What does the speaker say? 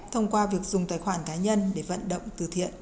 thông qua việc dùng tài khoản cá nhân để vận động từ thiện